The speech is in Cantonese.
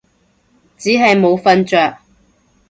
只係冇瞓着